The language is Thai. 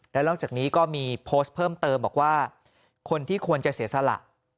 และนอกจากนี้ก็มีโพสต์เพิ่มเติมบอกว่าคนที่ควรจะเสียสละ